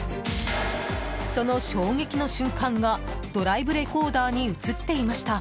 その衝撃の瞬間がドライブレコーダーに映っていました。